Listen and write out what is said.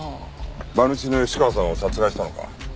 馬主の吉川さんを殺害したのか？